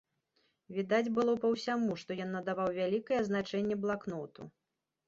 Відаць было па ўсяму, што ён надаваў вялікае значэнне блакноту.